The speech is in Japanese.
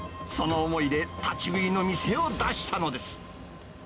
その思いで立ち食いの店を出したのです。